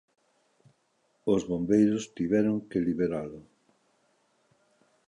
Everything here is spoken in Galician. Os bombeiros tiveron que liberalo.